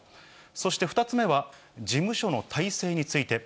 そして２つ目は、事務所の体制について。